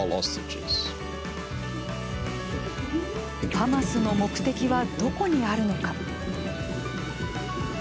ハマスの目的はどこにあるのか。